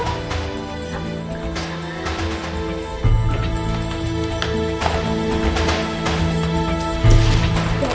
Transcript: tapi gak usah lah